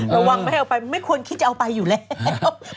ระวังไม่เอาไปไม่ควรคิดจะเอาไปอยู่แล้ว